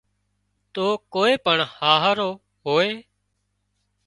تو ڪوئي پڻ هاهرو هوئي